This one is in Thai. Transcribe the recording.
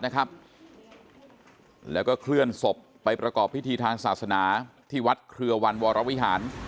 แล้วก็เคลื่อนศพไปประกอบพิธีทางศาสนาที่วัดเครือวันวรวิหาร